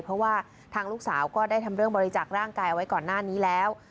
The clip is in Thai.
เพราะว่าทางลูกสาวก็ได้ทำเรื่องบริจักษ์ร่างกายเอาไว้ก่อนหน้านี้แล้ว